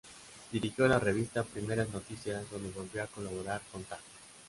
Dirigió la revista "Primeras Noticias", donde volvió a colaborar con Tha.